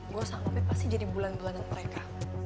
gue sama pe pasti jadi bulan bulanan mereka